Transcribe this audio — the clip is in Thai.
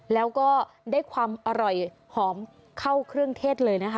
แล้วก็ได้ความอร่อยหอมเข้าเครื่องเทศเลยนะคะ